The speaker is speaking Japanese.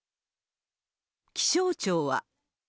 気象庁は。